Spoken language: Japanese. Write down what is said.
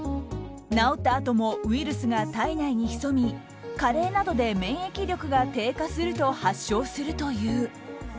治ったあともウイルスが体内に潜み加齢などで免疫力が低下すると発症するという。